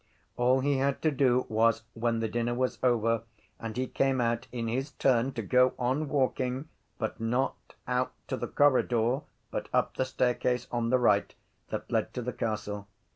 All he had to do was when the dinner was over and he came out in his turn to go on walking but not out to the corridor but up the staircase on the right that led to the castle.